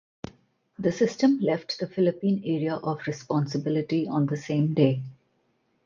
The system left the Philippine Area of Responsibility on the same day.